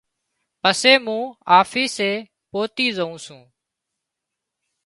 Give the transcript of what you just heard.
پسي مُون آفيسي پوتِي زُون سُون۔